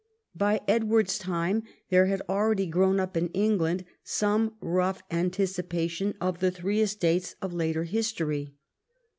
By Edward's time there had already grown up in England some rough anticipation of the three estates of later history.